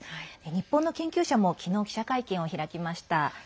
日本の研究者も、きのう記者会見を開きました。